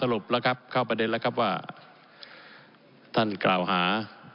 รุปแล้วครับเข้าประเด็นแล้วครับว่าท่านกล่าวหา